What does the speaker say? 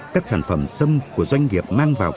các sản phẩm xâm của doanh nghiệp mang vào